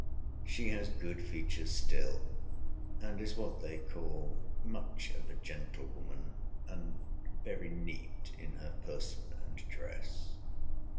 She has good features still; and is what they call much of a gentlewoman, and very neat in her person and dress.